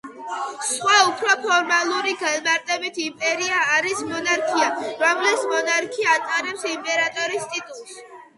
სხვა, უფრო ფორმალური განმარტებით იმპერია არის მონარქია, რომლის მონარქი ატარებს იმპერატორის ტიტულს.